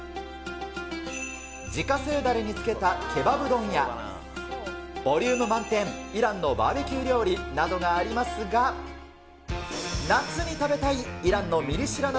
自家製だれに漬けたケバブ丼や、ボリューム満点、イランのバーベキュー料理などがありますが、夏に食べたいイランのミリ知ら夏